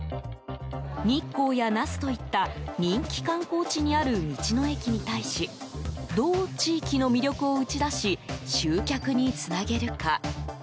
日光や那須といった人気観光地にある道の駅に対しどう地域の魅力を打ち出し集客につなげるか。